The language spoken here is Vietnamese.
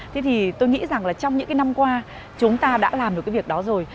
thế thì tôi nghĩ rằng là trong những cái năm qua chúng ta đã làm được cái việc đó rồi